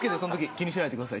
気にしないでください。